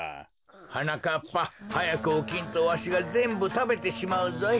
はなかっぱはやくおきんとわしがぜんぶたべてしまうぞい。